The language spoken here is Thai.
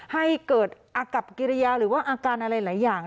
ให้เกิดอากับกิริยาหรือว่าอาการอะไรหลายอย่าง